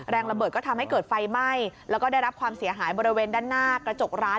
ระเบิดก็ทำให้เกิดไฟไหม้แล้วก็ได้รับความเสียหายบริเวณด้านหน้ากระจกร้าน